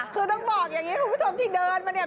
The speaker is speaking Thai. คือต้องบอกอย่างนี้คุณผู้ชมที่เดินมาเนี่ย